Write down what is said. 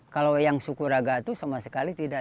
kalau wayang sukuraga itu sama sekali tidak